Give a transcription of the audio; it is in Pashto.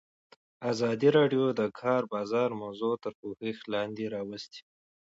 ازادي راډیو د د کار بازار موضوع تر پوښښ لاندې راوستې.